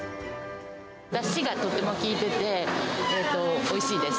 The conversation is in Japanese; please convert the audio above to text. ダシがとても効いてて、おいしいです。